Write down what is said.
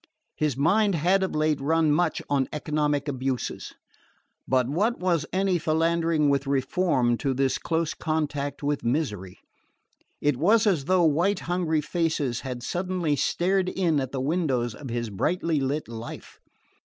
His mind had of late run much on economic abuses; but what was any philandering with reform to this close contact with misery? It was as though white hungry faces had suddenly stared in at the windows of his brightly lit life.